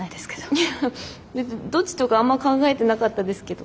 いやどっちとかあんま考えてなかったですけど。